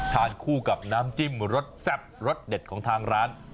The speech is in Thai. ทานคู่กับน้ำจิ้มรสแซ่บรสเด็ดของทางร้าน